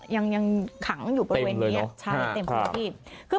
ยังขังอยู่บริเวณนี้